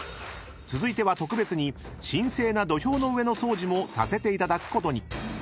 ［続いては特別に神聖な土俵の上の掃除もさせていただくことに］